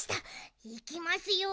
いきますよ。